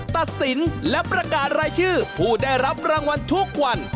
ตัดสินและประกาศรายชื่อผู้ได้รับรางวัลทุกวัน